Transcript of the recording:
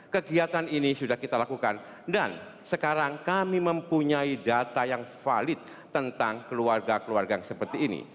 kegiatan ini sudah kita lakukan dan sekarang kami mempunyai data yang valid tentang keluarga keluarga yang seperti ini